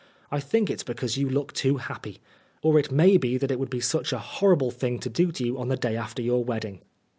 I think it's because you look too happy. Or it may be that it would be such a horrible thing to do to you on the day after your wedding."